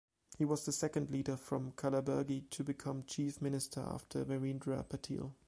He was the second leader from Kalaburgi to become Chief Minister after Veerendra Patil.